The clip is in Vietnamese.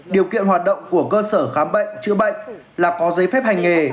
điều kiện hoạt động của cơ sở khám bệnh chữa bệnh là có giấy phép hành nghề